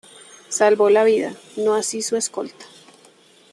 Salvó la vida, no así su escolta.